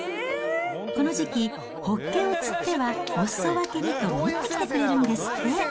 この時期、ホッケを釣っては、おすそ分けにと持ってきてくれるんですって。